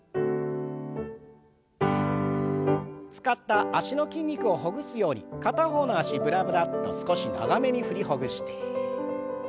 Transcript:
使った脚の筋肉をほぐすように片方の脚ぶらぶらっと少し長めに振りほぐして。